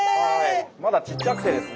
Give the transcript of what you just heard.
まだちっちゃくてですね